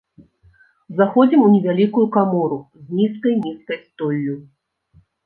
Заходзім у невялікую камору з нізкай-нізкай столлю.